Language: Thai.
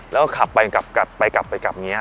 แล้วก็ขับไปกลับไปกลับอย่างนี้